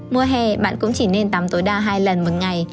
mùa hè bạn cũng chỉ nên tắm tối đa hai lần một ngày